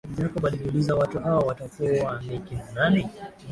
Jacob alijiuliza watu hao watakuwa ni kina nani